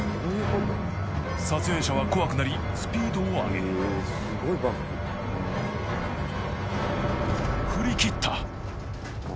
撮影者は怖くなりスピードを上げ振りきった！